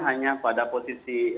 hanya pada posisi